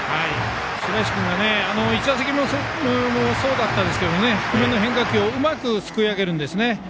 白石君が１打席目もそうだったんですけど低めの変化球をうまくすくい上げるんですね。